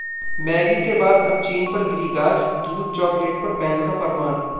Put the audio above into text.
Maggi के बाद अब चीन पर गिरी गाज, दूध, चाकलेट पर बैन का फरमान